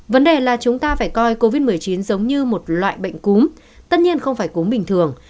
vấn đề là chúng ta phải coi covid một mươi chín giống như một loại bệnh cúm tất nhiên không phải cúm bình thường